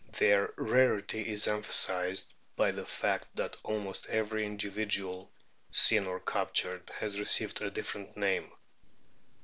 Their rarity is emphasised by the fact that almost every individual seen or captured has received a different name.